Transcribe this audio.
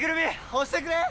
押してくれー！